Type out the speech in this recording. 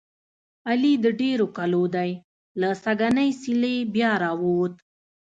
علي د ډېرو کلو دی. له سږنۍ څېلې بیا را ووت.